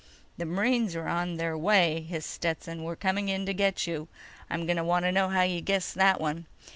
"The marines are on their way," hissed Stetson. _"We're coming in to get you. I'm going to want to know how you guessed that one."